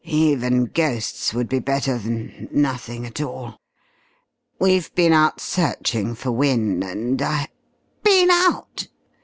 "Even ghosts would be better than nothing at all. We've been out searching for Wynne, and I " "_Been out?